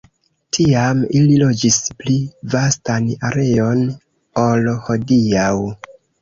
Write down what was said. Tiam ili loĝis pli vastan areon ol hodiaŭ.